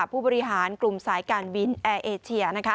ผู้บริหารกลุ่มสายการบินแอร์เอเชีย